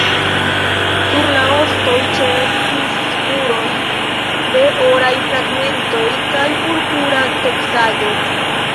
Sur la ostoj ĉeestis spuroj de oraj fragmentoj kaj purpura teksaĵo.